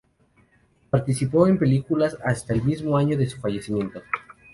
Participó en películas hasta el mismo año de su fallecimiento.